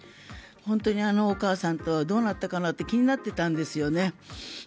本当にあのお母さんとどうなったかなって気になっていたんですよね。